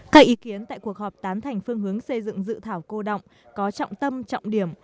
các ý kiến tại cuộc họp tán thành phương hướng xây dựng dự thảo cô động có trọng tâm trọng điểm